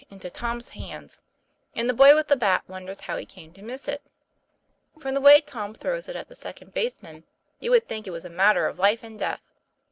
into Tom's hands; and the boy with the bat wonders how he came to miss it. From the way Tom throws it at the second baseman, you would think it was a matter of life and death.